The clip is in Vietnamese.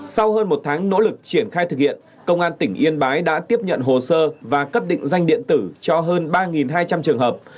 sau hơn một tháng nỗ lực triển khai thực hiện công an tỉnh yên bái đã tiếp nhận hồ sơ và cấp định danh điện tử cho hơn ba hai trăm linh trường hợp